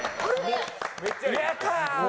やったー！